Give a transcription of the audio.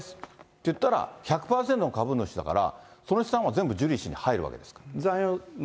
と言ったら、１００％株主だから、その資産は全部ジュリー氏に入るわけですか。